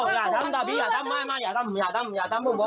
อย่าตาอย่าตาพ่อพ่อพ่อพี่มาพ่อพ่อพี่มาพ่อพ่อพ่อพ่อพ่อ